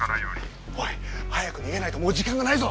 おい早く逃げないともう時間がないぞ！